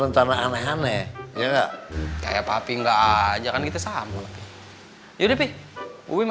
tenang aja pe